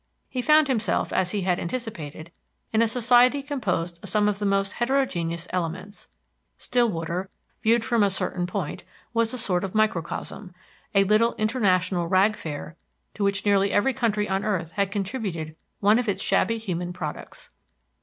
He found himself, as he had anticipated, in a society composed of some of the most heterogeneous elements. Stillwater, viewed from a certain point, was a sort of microcosm, a little international rag fair to which nearly every country on earth had contributed one of its shabby human products.